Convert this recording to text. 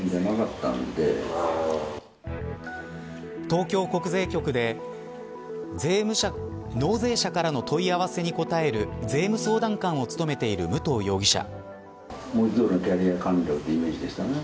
東京国税局で納税者からの問い合わせに答える税務相談官を務めている武藤容疑者。